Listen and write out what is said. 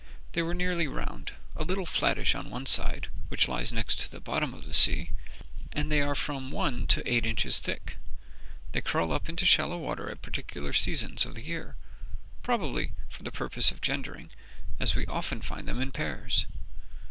They were nearly round, a little flattish on one side, which lies next to the bottom of the sea; and they are from one to eight inches thick. They crawl up into shallow water at particular seasons of the year, probably for the purpose of gendering, as we often find them in pairs.